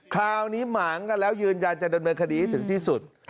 คราวนี้หมางกันแล้วยืนยันจะเดินเมืองคดีถึงที่สุด